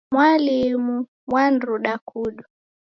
Mwalimu waniruda kudu.